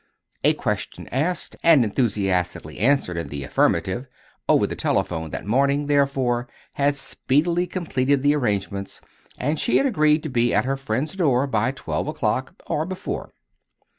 A question asked, and enthusiastically answered in the affirmative, over the telephone that morning, therefore, had speedily completed arrangements, and she had agreed to be at her friend's door by twelve o'clock, or before.